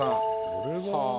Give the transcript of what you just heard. これは。